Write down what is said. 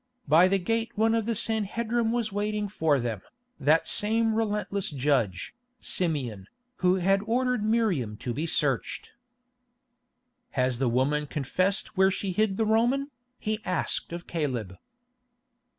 By the gate one of the Sanhedrim was waiting for them, that same relentless judge, Simeon, who had ordered Miriam to be searched. "Has the woman confessed where she hid the Roman?" he asked of Caleb.